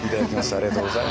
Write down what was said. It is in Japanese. ありがとうございます。